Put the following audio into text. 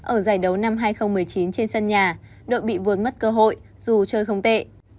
ở giải đấu năm hai nghìn một mươi chín trên sân nhà đội bị vượt mất cơ hội dù chơi không tệ